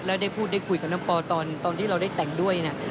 แล้วได้พูดได้คุยกับน้องปอตอนที่เราได้แต่งด้วยนะ